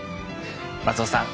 松尾さん